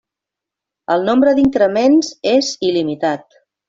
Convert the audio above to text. El nombre d'increments és il·limitat.